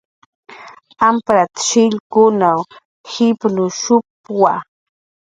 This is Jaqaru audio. "Amprat"" shillkun jipk""anushp""wa "